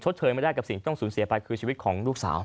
เชยไม่ได้กับสิ่งที่ต้องสูญเสียไปคือชีวิตของลูกสาว